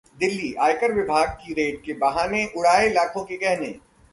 दिल्लीः आयकर विभाग की रेड के बहाने उड़ाए लाखों के गहने